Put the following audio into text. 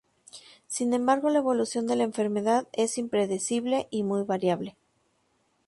Sin embargo la evolución de la enfermedad es impredecible y muy variable.